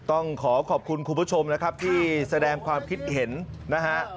ต้องขอขอบคุณคุณผู้ชมนะครับที่แสดงความคิดเห็นนะฮะ